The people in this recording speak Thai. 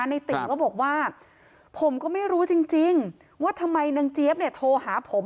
ในติก็บอกว่าผมก็ไม่รู้จริงว่าทำไมนางเจี๊ยบเนี่ยโทรหาผม